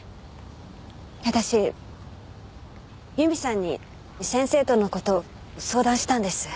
私由美さんに先生との事を相談したんです。